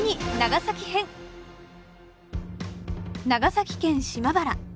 長崎県島原。